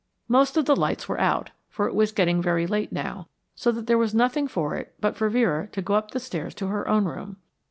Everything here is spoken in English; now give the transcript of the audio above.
Most of the lights were out, for it was getting very late now, so that there was nothing for it but for Vera to go up the stairs to her own room.